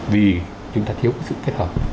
vì chúng ta thiếu sự kết hợp